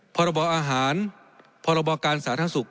พรบอาหารพรบการสาธารณสุข